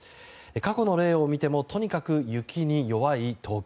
過去の例を見てもとにかく雪に弱い東京。